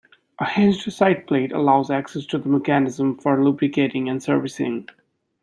A hinged sideplate allows access to the mechanism for lubricating and servicing.